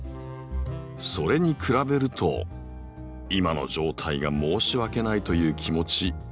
それに比べると今の状態が申し訳ないという気持ち分かります。